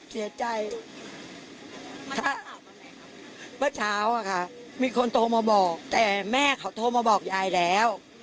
เสียใจเมื่อเช้าอะค่ะมีคนโทรมาบอกแต่แม่เขาโทรมาบอกยายแล้ว